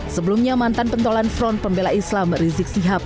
sebelumnya mantan pentolan front pembela islam rizik sihab